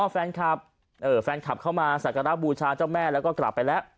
แฟนคลับแฟนคลับเข้ามาสักการะบูชาเจ้าแม่แล้วก็กลับไปแล้ว